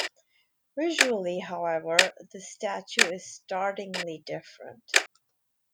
Visually, however, this statue is startlingly different.